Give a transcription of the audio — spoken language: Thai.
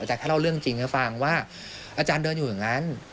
แค่เล่าเรื่องจริงให้ฟังว่าอาจารย์เดินอยู่อย่างนั้น